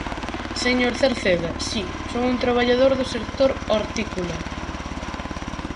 Señor Cerceda, si, son un traballador do sector hortícola.